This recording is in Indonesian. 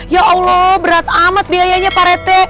ya allah berat amat biayanya pak retek